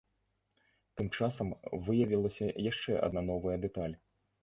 Тым часам выявілася яшчэ адна новая дэталь.